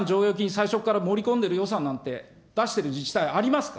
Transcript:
最初から盛り込んでる予算なんて出している自治体ありますか。